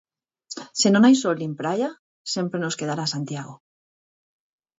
Se non hai sol nin praia, sempre nos quedará Santiago.